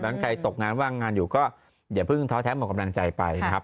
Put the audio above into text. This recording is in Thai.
ฉะใครตกงานว่างงานอยู่ก็อย่าเพิ่งท้อแท้หมดกำลังใจไปนะครับ